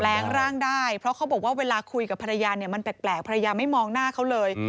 แรงร่างได้เพราะเขาบอกว่าเวลาคุยกับภรรยาเนี่ยมันแปลกภรรยาไม่มองหน้าเขาเลย